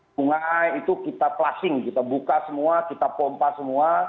sungai itu kita plushing kita buka semua kita pompa semua